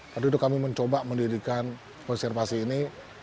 waktu itu kami mencoba mendirikan konservasi ini